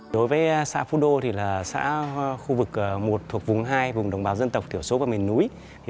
đối với xã phú đô thì là xã khu vực một thuộc vùng hai vùng đồng bào dân tộc thiểu số và miền núi